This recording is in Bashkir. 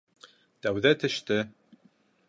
— Тәүҙә теште...